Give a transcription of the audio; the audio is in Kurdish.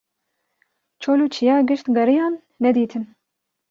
Çol û çiya gişt geriyan nedîtin.